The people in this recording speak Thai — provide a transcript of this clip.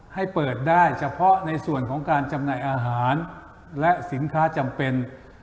ให้เปิดได้เฉพาะในส่วนของการจำหน่ายอาหารและสินค้าจำเป็น